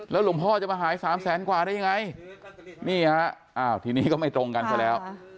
หลวงพ่อจะมาหาย๓แสนกว่าได้ยังไงนี่ฮะอ้าวทีนี้ก็ไม่ตรงกันซะแล้ว